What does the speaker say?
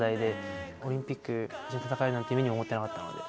オリンピック一緒に戦えるなんて夢にも思ってなかったので。